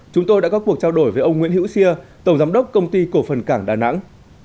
chúng tôi đã có cuộc trao đổi với ông nguyễn hữu xia tổng giám đốc công ty cổ phần cảng đà nẵng